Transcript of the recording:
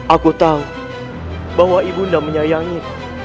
aku tahu bahwa ibunda menyayangi